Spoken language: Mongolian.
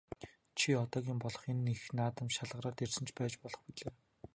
Чи одоогийн болох энэ их наадамд шалгараад ирсэн ч байж болох билээ.